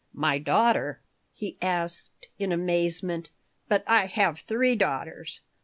"My daughter?" he asked, in amazement. "But I have three daughters."